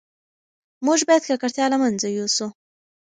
موږ باید ککړتیا له منځه یوسو.